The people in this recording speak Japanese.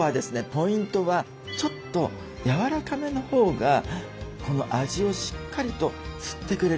ポイントはちょっとやわらかめのほうがこの味をしっかりと吸ってくれる。